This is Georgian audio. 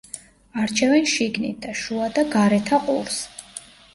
არჩევენ შიგნითა, შუა და გარეთა ყურს.